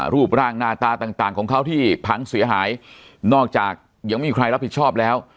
รูปร่างหน้าตาต่างต่างของเขาที่พังเสียหายนอกจากยังไม่มีใครรับผิดชอบแล้ว